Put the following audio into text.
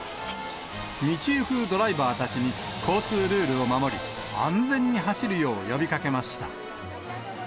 道行くドライバーたちに交通ルールを守り、安全に走るよう呼びかけました。